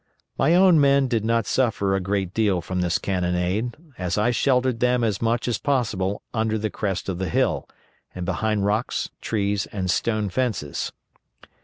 My own men did not suffer a great deal from this cannonade, as I sheltered them as much as possible under the crest of the hill, and behind rocks, trees, and stone fences.